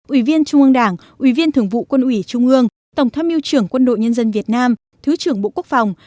ủy viên trung ương đảng ủy viên thường vụ quân ủy trung ương tổng tham mưu trưởng quân đội nhân dân việt nam thứ trưởng bộ quốc phòng